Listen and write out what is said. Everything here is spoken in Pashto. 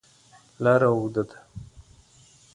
لاره اوږده ده.